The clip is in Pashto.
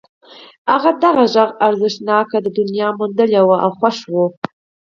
هغه د غږ ارزښتناکه دنيا موندلې وه او خوښ و.